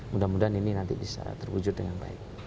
mudah mudahan ini nanti bisa terwujud dengan baik